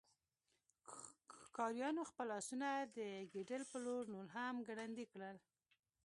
ښکاریانو خپل آسونه د ګیدړ په لور نور هم ګړندي کړل